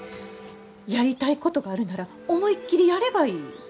やりたいことがあるなら思いっきりやればいい。